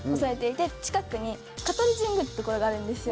近くに香取神宮って所があるですよ。